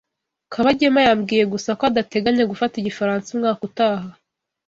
Kabagema yambwiye gusa ko adateganya gufata igifaransa umwaka utaha.